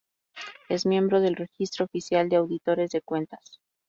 Es miembro del Registro Oficial de Auditores de Cuentas.